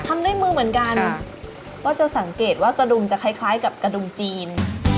ทำด้วยมือเหมือนกันก็จะสังเกตว่ากระดุมจะคล้ายกับกระดุงจีน